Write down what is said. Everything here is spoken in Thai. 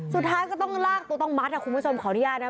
สุดท้ายก็ต้องลากตัวต้องมัดคุณผู้ชมขออนุญาตนะ